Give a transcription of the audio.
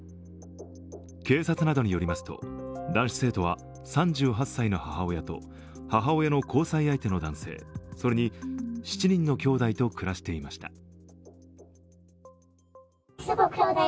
警察などによりますと男子生徒は３８歳の母親と母親の交際相手の男性、それに７人のきょうだいと暮らしていました。